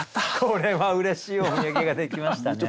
これはうれしいお土産ができましたね。